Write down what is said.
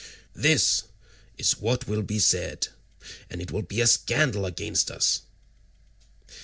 This is what will be said, and it will be a scandal against us."